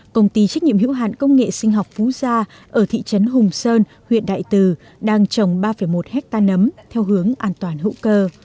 công ty trách nhiệm hữu hạn công nghệ sinh học phú gia ở thị trấn hùng sơn huyện đại từ đang trồng ba một hectare nấm theo hướng an toàn hữu cơ